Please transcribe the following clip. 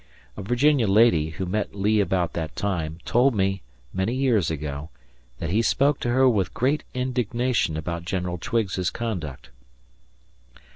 A Virginia lady, who met Lee about that time, told me, many years ago, that he spoke to her with great indignation about General Twiggs's conduct.